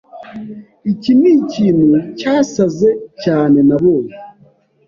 Iki nikintu cyasaze cyane nabonye.